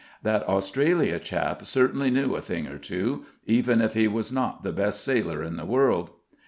That Australia chap certainly knew a thing or two, even if he was not the best sailor in the world.